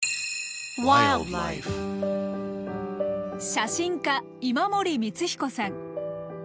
写真家今森光彦さん。